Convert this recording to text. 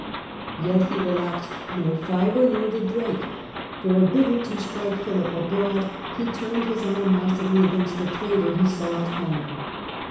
Yet he i^laxed no fibre; nor did Drake. For bidden to strike Philip abroad, he turned his animosity against the traitor he saw at home.